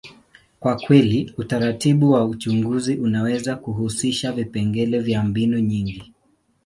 kwa kweli, utaratibu wa uchunguzi unaweza kuhusisha vipengele vya mbinu nyingi.